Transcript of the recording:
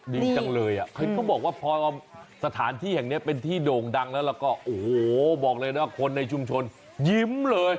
ดีจังเลยอ่ะคือเขาบอกว่าพอสถานที่แห่งนี้เป็นที่โด่งดังแล้วแล้วก็โอ้โหบอกเลยนะคนในชุมชนยิ้มเลย